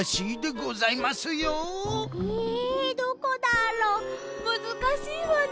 えどこだろ？むずかしいわね。